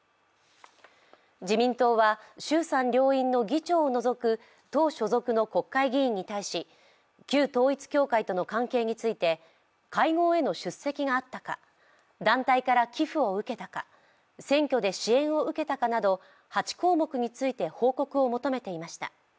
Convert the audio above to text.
自民党は衆参両院の議長を除く党所属の国会議員に対し旧統一教会との関係について会合への出席があったか団体から寄付を受けたか、選挙で支援を受けたかなど８項目について報告を求めていました。